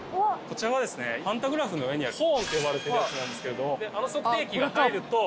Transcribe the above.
こちらがパンタグラフの上にあるホーンって呼ばれてるやつなんですけど。